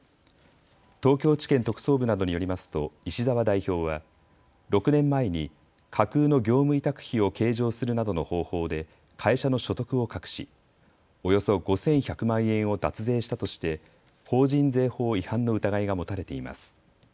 東京地検特捜部などによりますと石澤代表は６年前に架空の業務委託費を計上するなどの方法で会社の所得を隠しおよそ５１００万円を脱税したとして法人税法違反の疑いが持たれています。